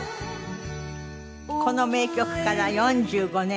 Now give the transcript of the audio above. この名曲から４５年。